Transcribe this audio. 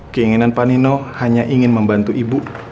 keinginan pak nino hanya ingin membantu ibu